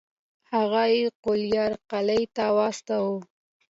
هغه یې ګوالیار قلعې ته واستوه.